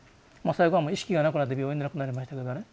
最後はもう意識がなくなって病院で亡くなりましたけどね。